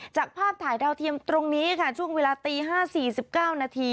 ภาพถ่ายดาวเทียมตรงนี้ค่ะช่วงเวลาตี๕๔๙นาที